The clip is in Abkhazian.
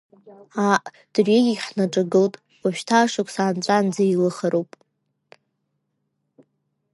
Ааҟ, дырҩегьых ҳнаҿагылеит, уажәшьҭа ашықәс аанҵәаанӡа еилыхароуп…